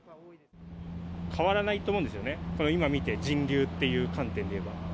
変わらないと思うんですよね、今見て、人流っていう観点でいえば。